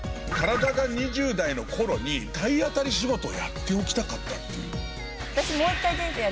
体が２０代の頃に体当たり仕事をやっておきたかったっていう。